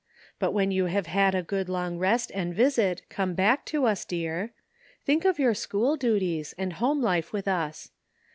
But when you have had a good long rest and visit come back to us, dear. Think of your school duties, and home life with us.